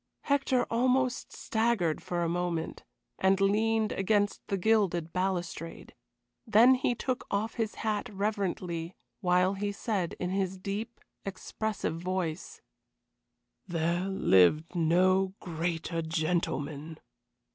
Hector almost staggered for a moment, and leaned against the gilded balustrade. Then he took off his hat reverently, while he said, in his deep, expressive voice: "There lived no greater gentleman."